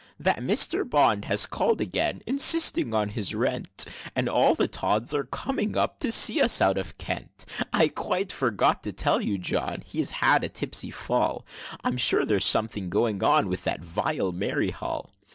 "That Mister Bond has call'd again, Insisting on his rent; And all the Todds are coming up To see us, out of Kent; I quite forgot to tell you John Has had a tipsy fall; I'm sure there's something going on With that vile Mary Hall!